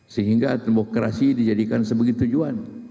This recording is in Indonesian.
sehingga demokrasi dijadikan sebagai tujuan